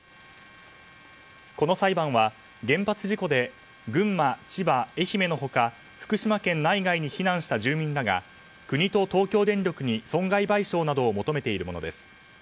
この裁判は原発事故で群馬、千葉、愛媛の他福島県内外に避難した住民らが国と東京電力に損害賠償などを求めているものです。